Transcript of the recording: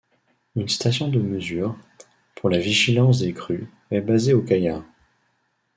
Une station de mesure, pour la vigilance des crues, est basé au Cailar.